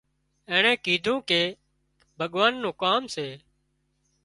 اينڻي ڪيڌوون ڪي ڀڳوان نُون ڪام سي